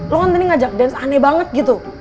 lo kan tadi ngajak dance aneh banget gitu